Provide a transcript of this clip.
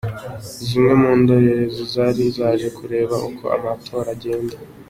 Zimwe mu ndorerezi zari zaje kureba uko amatora agenda.